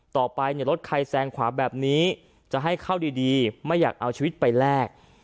ต่อไปเนี่ยรถใครแซงขวาแบบนี้จะให้เข้าดีไม่อยากเอาชีวิตไปแลก